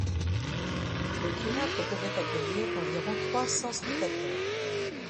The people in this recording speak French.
Le théâtre pouvait accueillir environ trois cents spectateurs.